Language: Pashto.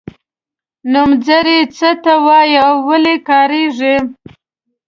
نومځري څه ته وايي او ولې کاریږي.